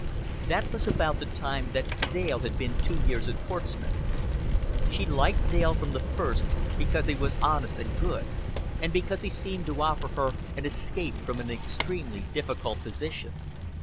That was about the time that Dale had been two years at Portsmouth. She liked Dale from the first because he was honest and good, and because he seemed to offer her an escape from an extremely difficult position.